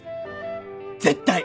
絶対！